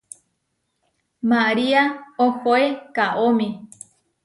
María ohoé kaómi.